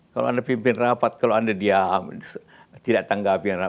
kalau anda pimpin rapat kalau anda diam tidak ditanggapi rapat